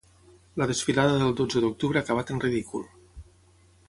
La desfilada del dotze d’octubre ha acabat en ridícul.